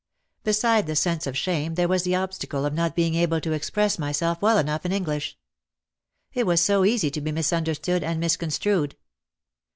Beside the sense of shame there was the ob stacle of not being able to express myself well enough in English. It was so easy to be misunderstood and mis construed.